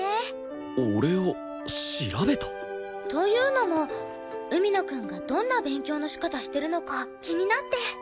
俺を調べた？というのも海野くんがどんな勉強の仕方してるのか気になって。